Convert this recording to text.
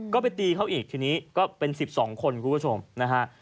ก็ไปตีเขาอีกทีนี้ก็เป็น๑๒คนคุณผู้ชมนะฮะ